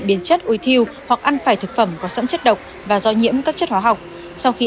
biến chất ôi thiêu hoặc ăn phải thực phẩm có sẵn chất độc và do nhiễm các chất hóa học sau khi